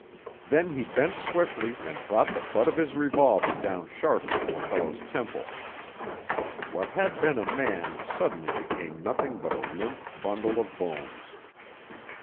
Then he bent swiftly and brought the butt of his revolver down sharply on the fellow's temple. What had been a man suddenly became nothing but a limp bundle of bones.